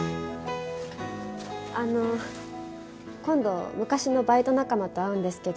あの今度昔のバイト仲間と会うんですけど。